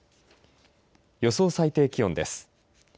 予想最低気温です。